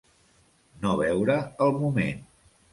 No veure el moment.